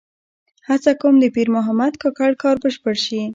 هڅه کوم د پیر محمد کاکړ کار بشپړ شي.